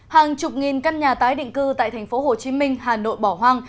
hàng chục nghìn căn nhà tái định cư tại tp hcm hà nội bỏ hoang